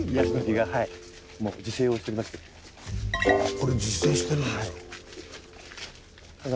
これ自生してるんですか。